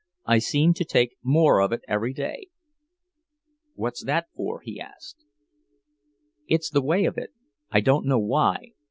"I seem to take more of it every day." "What's that for?" he asked. "It's the way of it; I don't know why.